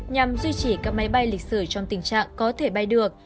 nhằm duy trì các máy bay lịch sử trong tình trạng có thể bay được